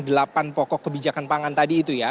delapan pokok kebijakan pangan tadi itu ya